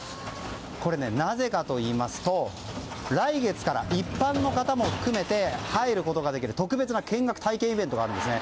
これ、なぜかといいますと来月から一般の方も含めて入ることができる特別な見学・体験イベントがあるんです。